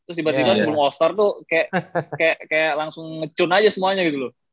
terus tiba tiba sebelum all star tuh kayak langsung ngecune aja semuanya gitu loh